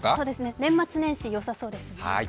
年末年始によさそうですね。